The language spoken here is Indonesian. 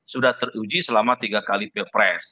sudah teruji selama tiga kali pilpres